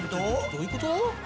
どういうこと？